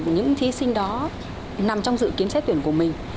những thí sinh đó nằm trong dự kiến xét tuyển của mình